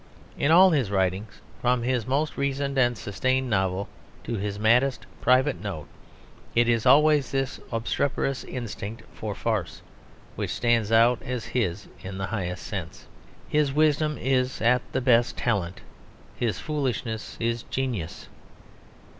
In all his writings, from his most reasoned and sustained novel to his maddest private note, it is always this obstreperous instinct for farce which stands out as his in the highest sense. His wisdom is at the best talent, his foolishness is genius.